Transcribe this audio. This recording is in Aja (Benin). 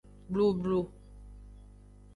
Blublu.